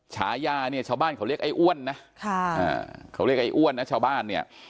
ฉายาเนี่ยชาวบ้านเขาเรียกไอ้อ้วนนะเขาเรียกไอ้อ้วนนะชาวบ้านเนี่ย